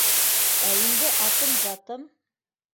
Ә инде атым-затым